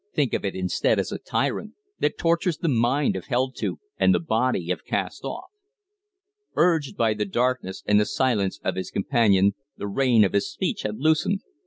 "Think of it, instead, as a tyrant that tortures the mind if held to, and the body if cast off." Urged by the darkness and the silence of his companion, the rein of his speech had loosened.